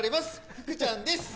福ちゃんです。